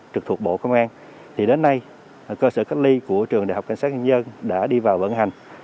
trực thuộc bộ công an thì đến nay cơ sở cách ly của trường đại học cảnh sát nhân dân đã đi vào vận hành